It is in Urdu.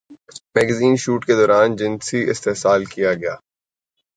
میگزین شوٹ کے دوران جنسی استحصال کیا گیا